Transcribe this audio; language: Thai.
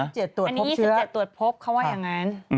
อันนี้๒๗ตรวจพบเขาว่าอย่างนั้น